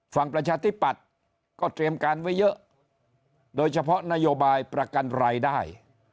ประชาธิปัตย์ก็เตรียมการไว้เยอะโดยเฉพาะนโยบายประกันรายได้